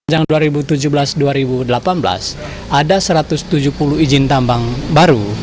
yang dua ribu tujuh belas dua ribu delapan belas ada satu ratus tujuh puluh izin tambang baru